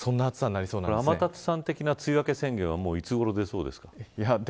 天達さん的な梅雨明け宣言はいつごろ出そうですか。